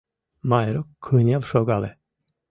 — Майрук кынел шогале.